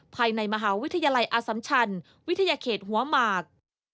ภายในมหาวิทยาลัยอสัมชันวิทยาเขตหัวหมาก